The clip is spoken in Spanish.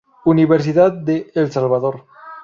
Universidad de El Salvador.